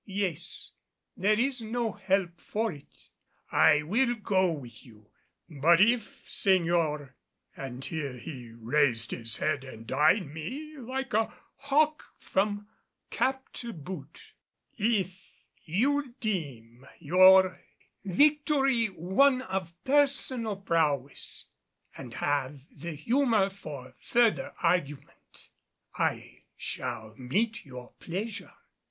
"Yes, there is no help for it. I will go with you. But if, señor," and here he raised his head and eyed me like a hawk from cap to boot, "if you deem your victory one of personal prowess and have the humor for further argument, I shall meet your pleasure."